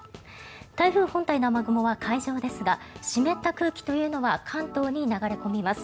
台風本体の雨雲は海上ですが湿った空気というのは関東に流れ込みます。